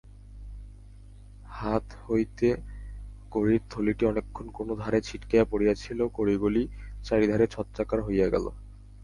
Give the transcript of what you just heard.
হাত হইতে কড়ির থলিটি অনেকক্ষণ কোন ধারে ছিটকাইয়া পড়িয়াছিল-কড়িগুলি চারিধারে ছত্রাকার হইয়া গেল।